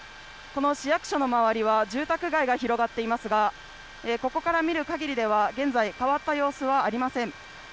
この市役所の周りは住宅街が広がっていますがここから見るかぎりでは現在、変わった様子はありません。